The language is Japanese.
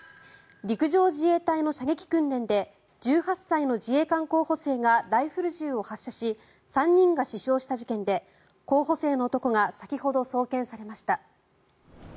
陸上自衛隊の射撃訓練で１８歳の自衛官候補生がライフル銃を発射し３人が死傷した事件で候補生の男が先ほど送検されました。